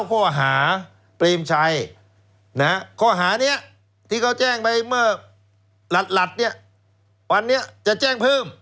ข้อหาเปรมชัยข้อหานี้ที่เขาแจ้งไปเมื่อหลัดเนี่ยวันนี้จะแจ้งเพิ่ม